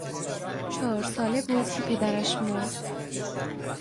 چهار ساله بود که پدرش مرد.